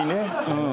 うん。